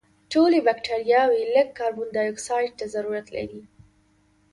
ټولې بکټریاوې لږ کاربن دای اکسایډ ته ضرورت لري.